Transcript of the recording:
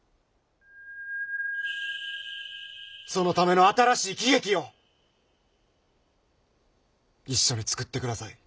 そのための新しい喜劇を一緒に作ってください。